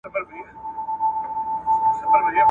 درې ملګري له کلو انډیوالان وه `